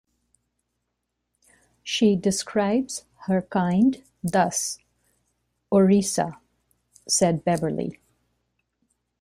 She describes her kind thus: "Orisa," said Beverley.